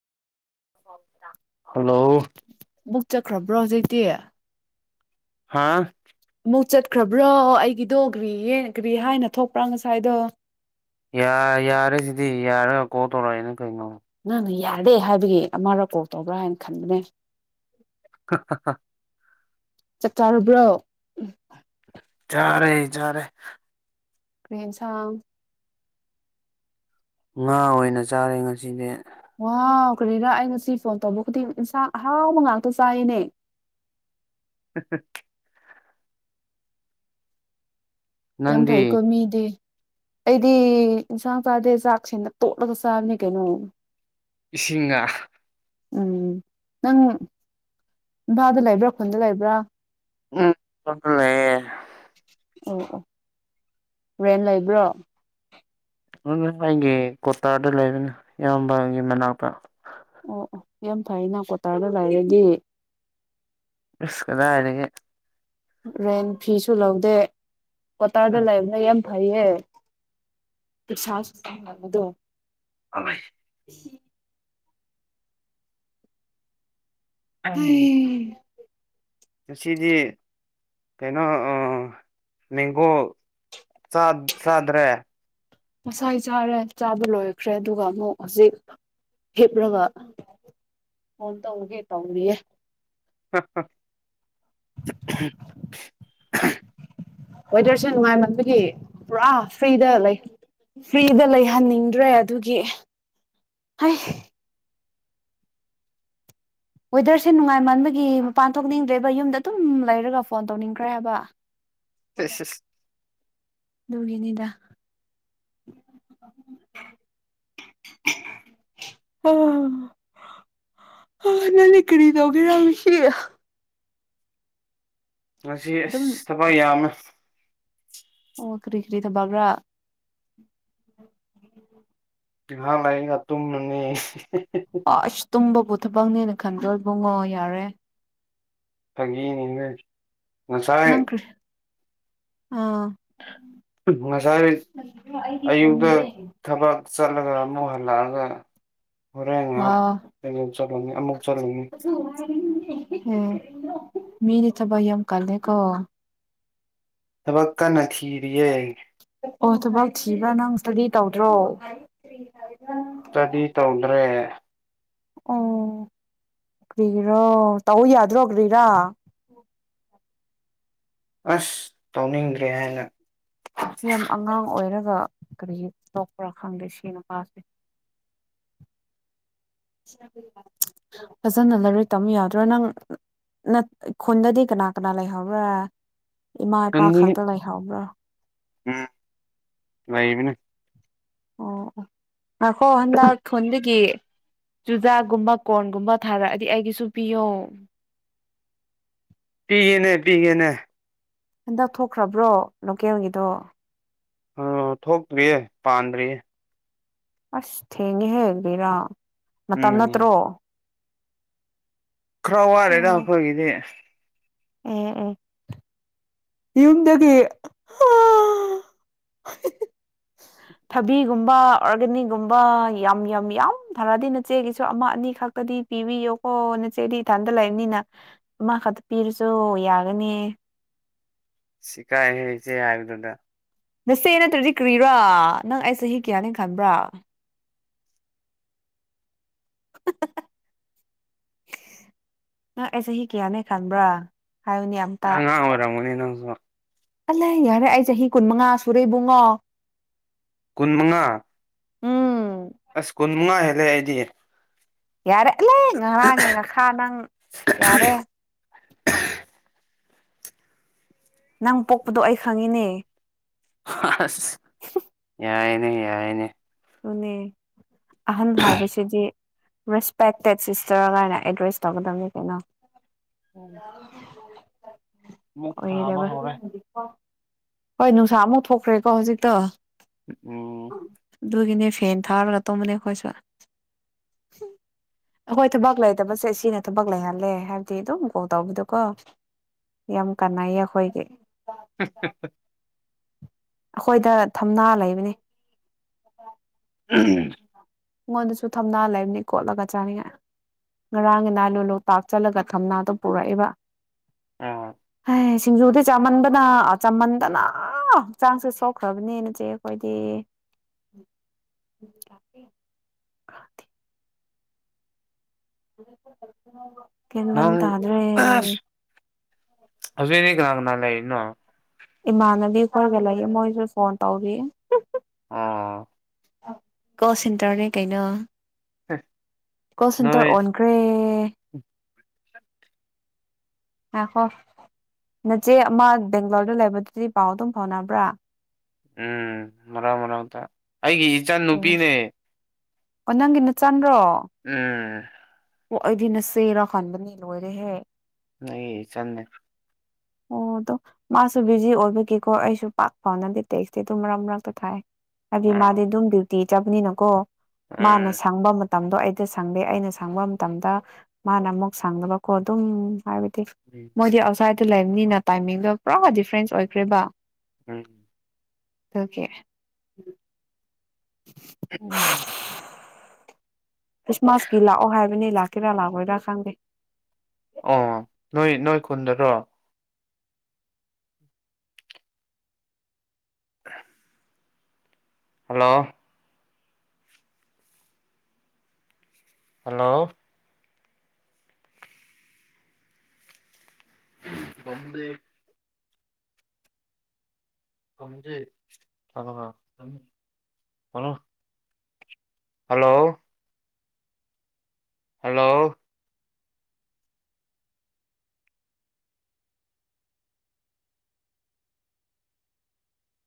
hello ꯑꯃꯨꯛ ꯆꯠꯈ꯭ꯔꯕ꯭ꯔꯣ ꯍꯧꯖꯤꯛꯇꯤ ꯍꯥꯥ ꯑꯃꯨꯛ ꯆꯠꯈ꯭ꯔꯕ꯭ꯔꯣ ꯑꯩꯒꯤꯗꯣ ꯒ꯭ꯔꯤ ꯒ꯭ꯔꯤ ꯍꯥꯏꯅ ꯊꯣꯛꯄ꯭ꯔꯥ ꯉꯁꯥꯏꯗꯣ ꯌꯥ ꯌꯥꯔꯦ ꯁꯤꯗꯤ ꯌꯥꯔꯒ ꯀꯣ ꯇꯧꯔꯛꯑꯏꯅ ꯅꯪꯅ ꯌꯥꯔꯦ ꯍꯥꯏꯕꯒꯤ ꯑꯃ ꯔꯀꯣꯜ ꯇꯧꯕ꯭ꯔꯥ ꯍꯥꯏꯅ ꯈꯟꯕꯅꯦ [inaudible] ꯆꯞ ꯆꯥꯔꯕ꯭ꯔꯣ ꯌꯥꯔꯦ ꯆꯥꯔꯦ ꯀ꯭ꯔꯍꯦꯟꯁ ꯉꯥ ꯑꯣꯏꯅ ꯆꯥꯔꯦ ꯉꯁꯤꯗꯤꯦ ꯄꯨꯈ꯭ꯔꯤꯔꯥ ꯑꯩ ꯉꯁꯤ ꯐꯣꯟ ꯇꯧꯕ ꯈꯨꯗꯤꯡ ꯏꯟꯁꯥꯡ ꯑꯍꯥꯎꯕ ꯉꯥꯛꯇ ꯆꯥꯏꯔꯤꯅꯦ [inaudible] ꯌꯥꯝ ꯅꯪꯗꯤ ꯐꯥꯏ ꯀꯣꯃꯤꯗꯤ ꯑꯩꯗꯤ ꯏꯟꯁꯥꯡ ꯆꯥꯗꯦ ꯆꯥꯛꯁꯤꯦꯅ ꯇꯣꯠꯂꯒ ꯆꯥꯕꯅꯦ ꯀꯩꯅꯣ ꯏꯁꯤꯡꯉꯥ ꯎꯝ ꯅꯪ ꯏꯝꯐꯥꯜꯗ ꯂꯩꯕ꯭ꯔꯥ ꯈꯨꯟꯗ ꯂꯩꯕ꯭ꯔꯥ ꯎꯝꯂꯦ ꯑꯣ ꯑꯣ ꯔꯣꯔꯦꯟ ꯂꯩꯕ꯭ꯔꯣ ꯑꯗꯨ ꯑꯩꯒꯤ ꯀꯣꯇꯥꯔꯗ ꯂꯩꯕꯅꯦ ꯏꯌꯥꯝꯕꯒꯤ ꯃꯅꯥꯛꯇ ꯑꯣ ꯑꯣ ꯌꯥꯝ ꯐꯩꯅ ꯀ꯭ꯋꯥꯇꯥꯔꯗ ꯂꯥꯏꯔꯒ ꯁ ꯀꯗ ꯍꯥꯏꯗꯒꯤ ꯔꯦꯟ ꯐꯤꯁꯨ ꯂꯧꯗꯦ ꯀ꯭ꯇꯥꯔꯗ ꯂꯩꯕꯅ ꯌꯥꯝ ꯍꯥꯏꯏꯌꯦ ꯁꯥꯗꯣ ꯑꯃꯦ [inaudible] ꯍꯃ ꯆꯁꯤꯗꯤ ꯀꯩꯅꯣ ꯃꯦꯡꯒꯣ ꯆꯥꯗ꯭ꯔꯦ ꯉꯁꯥꯏ ꯆꯥꯔꯦ ꯆꯥꯕ ꯂꯣꯏꯈ꯭ꯔꯦ ꯑꯗꯨꯒ ꯑꯃꯨꯛ ꯍꯧꯖꯤꯛ ꯍꯤꯞ꯭ꯔꯕ ꯐꯣꯟ ꯇꯧꯒꯦ ꯇꯧꯅꯤꯌꯦ ꯍ ꯍ [unintelligible] ꯋꯦꯗꯔꯁ ꯅꯨꯡꯉꯥꯏ ꯃꯗꯨꯒꯤ ꯄꯨꯔꯥ ꯐ꯭ꯔꯤꯗ ꯂꯩ ꯐ꯭ꯔꯤꯗ ꯂꯩꯍꯟꯅꯤꯡꯗ꯭ꯔꯦ ꯑꯗꯨꯒꯤ ꯍꯥꯏ ꯋꯦꯗꯔꯁꯦ ꯅꯨꯡꯉꯥꯏꯃꯟꯕꯒꯤ ꯃꯄꯥꯟ ꯊꯣꯛꯅꯤꯡꯗ꯭ꯔꯦꯕ ꯌꯨꯝꯗ ꯑꯗꯨꯝ ꯂꯩꯔꯒ ꯐꯣꯟ ꯇꯧꯅꯤꯡꯈ꯭ꯔꯦ ꯍꯥꯏꯕ ꯑ ꯑꯗꯨꯒꯤꯅꯤꯗ ꯑ ꯑꯅꯜꯂꯤ ꯀꯔꯤꯗꯒꯦꯔꯁꯤ ꯉꯁꯤ ꯑꯗꯨꯝ ꯑꯁ ꯊꯕꯛ ꯌꯥꯝꯅ ꯑꯣ ꯀꯔꯤ ꯀꯔꯤꯗ ꯕꯕ꯭ꯔꯥ ꯏꯍꯥ ꯂꯩꯒ ꯇꯨꯝꯅꯤ ꯄꯨꯊꯕꯛꯅꯦꯅ ꯈꯟꯗꯣꯏꯕꯨꯡꯉꯣ ꯌꯥꯔꯦ ꯐꯒꯤꯅꯤꯅ ꯅ ꯅꯪ ꯆꯔ ꯀꯔꯤ ꯑꯥ ꯉꯁꯥꯏ ꯑꯌꯨꯛꯇ ꯊꯕꯛ ꯆꯠꯂꯒ ꯑꯃꯨꯛ ꯍꯜꯂꯛꯑꯒ ꯍꯣꯔꯦꯟ ꯉꯥꯏꯍꯥꯛ ꯆꯠꯂꯒꯦ ꯑꯃꯨꯛ ꯆꯠꯂꯨꯅꯤ ꯑꯦ ꯃꯤꯅꯤ ꯆꯕꯍꯤ ꯌꯥꯝ ꯑꯃ ꯀꯜꯅꯦꯀꯣ ꯊꯕꯛꯀꯥ ꯅꯈꯤꯔꯤꯦ ꯑꯣ ꯊꯕꯛ ꯊꯤꯕ꯭ꯔꯥ ꯅꯪ ꯏꯁ꯭ꯇꯗꯤ ꯇꯧꯗ꯭ꯔꯣ ꯏꯁꯇꯗꯤ ꯇꯧꯗ꯭ꯔꯦ ꯑꯣ ꯭ꯔꯤꯔꯣ ꯇ ꯌꯥꯗ꯭ꯔꯣ ꯒ꯭ꯔꯤꯔꯥ ꯑꯁ ꯇꯧꯅꯤꯡꯗ꯭ꯔꯦ ꯍꯥꯏꯅ ꯌꯥꯝ ꯑꯉꯥꯡ ꯑꯣꯏꯔꯒ ꯑꯗꯨꯒ ꯀꯔꯤ ꯇꯣꯛꯄ꯭ꯔꯥ ꯈꯪꯗꯦ ꯁꯤꯅꯄꯥꯁꯦ ꯐꯖꯅ ꯂꯥꯏꯔꯣꯏ ꯇꯝ ꯌꯥꯗ꯭ꯔꯣ ꯅꯪ ꯅ ꯈꯨꯟꯗꯗꯤ ꯀꯅꯥ ꯀꯅꯥ ꯂꯩꯍꯧꯕ꯭ꯔꯥ ꯏꯃꯥ ꯏꯄꯥ ꯇꯨꯝꯅꯤꯡ ꯈꯛꯇ ꯂꯩꯍꯧꯕ꯭ꯔꯥ ꯎꯝ ꯂꯩꯕꯤꯅꯦ ꯑꯣ ꯉꯥꯛꯈꯣ ꯍꯟꯗꯛ ꯈꯨꯣꯟꯗꯒꯤ ꯆꯨꯖꯥꯛꯒꯨꯝꯕ ꯀꯣꯔꯒꯨꯝꯕ ꯊꯥꯔꯛꯑꯗꯤ ꯑꯩꯒꯤꯁꯨ ꯄꯤꯌꯣ ꯄꯤꯅꯦ ꯄꯤꯒꯅꯦ ꯍꯟꯗꯛ ꯊꯣꯛꯈ꯭ꯔꯕ꯭ꯔꯣ ꯂꯣꯀꯦꯜꯒꯤꯗꯣ ꯑꯣ ꯊꯣꯛꯇ꯭ꯔꯤꯌꯦ ꯄꯥꯟꯗ꯭ꯔꯤꯌꯦ ꯑꯁ ꯊꯦꯡꯉꯦꯍꯦꯛꯕꯤꯔꯥ ꯃꯇꯝ ꯎꯝ ꯅꯠꯇ꯭ꯔꯣ ꯈꯔ ꯋꯥꯔꯦꯗ ꯑꯩꯈꯣꯏꯒꯤꯗꯤ ꯎꯝ ꯎꯝ ꯌꯨꯝꯗꯒꯤ ꯊꯕꯤꯒꯨꯝꯕ ꯑꯣꯔꯒꯥꯅꯤꯛꯒꯨꯝꯕ ꯌꯥꯝ ꯌꯥꯝ ꯌꯥꯝ ꯐꯔꯗꯤ ꯅꯆꯦꯒꯤꯁꯨ ꯑꯃ ꯑꯅꯤ ꯈꯛꯇꯗꯤ ꯄꯤꯕꯤꯌꯣ ꯑꯣ ꯅꯆꯦꯗꯤ ꯏꯊꯥꯟꯗ ꯂꯩꯕꯅꯤꯅ ꯃꯥ ꯈꯛꯇ ꯄꯤꯔꯁꯨ ꯌꯥꯒꯅꯤ ꯁꯤꯀꯥꯏ ꯍꯁꯦ ꯍꯥꯏꯗꯗ ꯅꯁꯦ ꯅꯠꯇ꯭ꯔꯗꯤ ꯀ꯭ꯔꯤꯔꯥ ꯅꯪ ꯑꯩ ꯆꯍꯤ ꯀꯌꯥꯅꯤ ꯈꯟꯕ꯭ꯔꯥ ꯅ ꯑꯦꯁꯦ ꯍ ꯀꯌꯥꯅꯦ ꯈꯟꯕ꯭ꯔꯥ ꯍꯥꯏꯌꯨꯅꯦ ꯑꯉ ꯑꯣꯏꯔꯃꯅꯤꯟꯅꯁꯨ ꯑꯂ ꯌꯥꯔꯦ ꯑꯩ ꯆꯍꯤ ꯀꯨꯟꯃꯉꯥ ꯁꯨꯔꯦ ꯏꯕꯨꯡꯉꯣ ꯀꯨꯟꯃꯉꯥ ꯎꯝ ꯑꯁ ꯀꯨꯟ ꯃꯉꯥ ꯍꯦꯜꯂꯦ ꯑꯩꯗꯤ ꯌꯥꯔꯦ ꯂꯩ ꯉꯔꯥꯡꯒꯤ ꯉꯥꯈꯥ ꯅꯪ ꯌꯥꯔꯦ ꯅꯪ ꯄꯣꯛꯄꯗꯣ ꯑꯩ ꯈꯪꯉꯤꯅꯦ ꯑꯁ ꯌꯥꯏꯅꯦ ꯌꯥꯏꯅꯦ ꯅꯦ ꯑꯍꯟ ꯍꯥꯏꯕꯕꯁꯤꯗꯤ ꯔꯦꯁꯄꯦꯛꯇꯦꯠ ꯁꯤꯁꯇꯔꯒꯥꯏꯅ ꯑꯦꯗ꯭ꯔꯦꯁ ꯇꯧꯒꯗꯕꯅꯤ ꯀꯩꯅꯣ ꯎꯝ ꯑꯣꯏꯕ ꯍꯣꯏ ꯅꯨꯡꯁꯥ ꯑꯃꯧ ꯊꯣꯛꯈ꯭ꯔꯦꯀꯣ ꯍꯧꯖꯤꯛꯇꯣ ꯎꯝ ꯑꯗꯨꯒꯤꯅꯦ ꯐꯦꯟ ꯊꯥꯔꯒ ꯇꯝꯕꯅꯦ ꯑꯩꯈꯣꯏꯁꯨ ꯑꯩꯈꯣꯏ ꯊꯕꯛ ꯂꯩꯇꯕꯁꯦ ꯁꯤꯅ ꯊꯕꯛ ꯂꯩꯍꯜꯂꯦ ꯍꯥꯏꯕꯗꯤ ꯑꯗꯨꯝ ꯀꯣꯜ ꯇꯧꯕꯤꯗꯀꯣ ꯌꯥꯝ ꯀꯥꯟꯅꯩꯌꯦ ꯑꯩꯈꯣꯏꯒꯤ [inaudible] ꯑꯩꯈꯣꯏꯗ ꯊꯝꯅꯥ ꯂꯩꯕꯅꯤ ꯎꯝ ꯑꯩꯉꯣꯟꯗꯁꯨ ꯊꯝꯅꯥ ꯂꯩꯕꯅꯤ ꯀꯣꯠꯂꯒ ꯆꯥꯅꯤꯡꯉꯥꯏ ꯉꯔꯥꯡ ꯉꯗꯥ ꯂ ꯂꯣꯛꯇꯥꯛ ꯆꯠꯂꯒ ꯊꯝꯅꯥꯗꯣ ꯄꯨꯔꯛꯏꯕ ꯑ ꯑꯦ ꯁꯤꯡꯖꯨꯗꯤ ꯆꯥꯃꯟꯕꯅ ꯆꯝꯃꯟꯗꯅ ꯍꯛꯆꯥꯡꯁꯦ ꯁꯣꯛꯈ꯭ꯔꯕꯅꯦꯅꯖꯩ ꯑꯩꯈꯣꯏꯗꯤ ꯦ [inaudible] [inaudible] ꯅ ꯇꯥꯗ꯭ꯔꯦ ꯑꯗꯨꯖꯤꯅꯦꯒ ꯅ ꯅꯂ ꯏꯟꯅ ꯏꯃꯥꯟꯅꯕꯤ ꯈꯔꯒ ꯂꯩꯌꯦ ꯃꯣꯏꯁꯨ ꯐꯣꯟ ꯇꯧꯔꯦꯑꯦꯌꯦ ꯑꯥ ꯀ ꯁꯤꯦꯟꯇꯔꯅꯦ ꯀꯩꯅꯩꯅ ꯀꯣꯜ ꯁꯦꯟꯇꯔ ꯅꯣꯏ ꯑꯣꯟꯈ꯭ꯔꯦ ꯑ ꯍꯣꯏ ꯅꯆꯦ ꯑꯃ ꯕꯦꯡꯒ꯭ꯂꯣꯔꯗ ꯂꯩꯕꯗꯨꯗꯤ ꯄꯥꯎ ꯑꯗꯨꯝ ꯐꯥꯎꯅꯕ꯭ꯔꯥ ꯎꯝ ꯃꯔꯥꯡ ꯃꯔꯥꯡ ꯇ ꯑꯩꯒꯤ ꯏꯆ ꯎꯝ ꯅꯨꯨꯄꯤꯅꯦ ꯑꯣ ꯅꯪꯒꯤ ꯅ ꯆꯥꯟꯗ꯭ꯔꯣ ꯎꯝ ꯑꯣ ꯑꯩꯗꯤ ꯅ ꯁꯦꯔ ꯈꯟꯕꯅꯤ ꯂꯣꯏꯔꯦꯍꯦ ꯅ ꯆꯅꯦ ꯑꯣ ꯑꯗꯣ ꯃꯥꯁꯨ ꯕꯤꯖꯤ ꯑꯣꯏꯕꯒꯤꯀꯣ ꯑꯩꯁꯨ ꯄꯥꯛ ꯐꯥꯎꯅꯗꯤꯦ ꯇꯦꯛꯁꯤ ꯑꯗꯨ ꯃꯔꯛ ꯃꯔꯛꯇ ꯊꯥꯏ ꯍꯥꯏꯗꯤ ꯑꯥ ꯃꯥꯗꯤ ꯑꯗꯨꯝ ꯗ꯭ꯌꯨꯇꯤ ꯆꯕꯅꯤꯅꯀꯣ ꯃꯥꯅ ꯎꯝ ꯁꯪꯕ ꯃꯇꯝꯗꯣ ꯑꯩꯗ ꯁꯪꯗꯦ ꯑꯩꯅ ꯁꯪꯕ ꯃꯇꯝꯗ ꯃꯥꯅ ꯑꯃꯨꯛ ꯁꯪꯅꯕꯀꯣ ꯑꯗꯨꯝ ꯍꯥꯏꯕꯗꯤ ꯃꯣꯏꯗꯤ ꯑꯥꯎꯠꯁꯥꯏꯗꯠꯇ ꯂꯩꯕꯅꯤꯅ ꯇꯥꯏꯃꯤꯡꯗꯣ ꯄꯨꯔꯥ ꯗꯤꯐ꯭ꯔꯦꯟꯁ ꯑꯣꯏꯈ꯭ꯔꯦꯕ ꯎꯝ ꯊꯀꯦ ꯎꯝ ꯈ꯭ꯔꯤꯁꯃꯥꯁꯀꯤ ꯂꯥꯛꯑꯣ ꯍꯥꯏꯕꯅꯤ ꯂꯥꯛꯀꯦꯔꯥ ꯂꯥꯛꯑꯣꯏꯔꯥ ꯈꯪꯗꯦ ꯑꯣ ꯅꯣꯏ ꯅꯣꯏ ꯈꯨꯨꯟꯗꯔꯣ ꯇ ꯍꯜꯂꯣ ꯍꯜꯂꯣ ꯀꯝꯕꯦ ꯑ ꯍꯂꯣ ꯍꯜꯂꯣ ꯍꯜꯂꯣ